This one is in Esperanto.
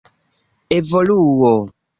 evoluo